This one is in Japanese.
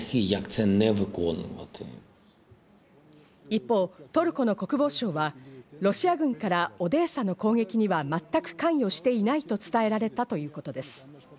一方、トルコの国防相は、ロシア軍からオデーサの攻撃には全く関与していないと伝えられたということです。